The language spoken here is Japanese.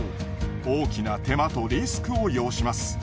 大きな手間とリスクを要します。